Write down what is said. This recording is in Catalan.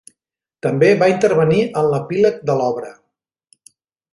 També va intervenir en l'epíleg de l'obra.